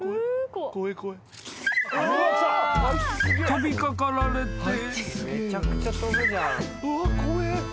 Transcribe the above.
［飛び掛かられて］